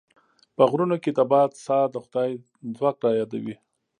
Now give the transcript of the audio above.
په غرونو کې د باد ساه د خدای ځواک رايادوي.